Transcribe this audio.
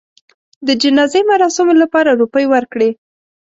د جنازې مراسمو لپاره روپۍ ورکړې.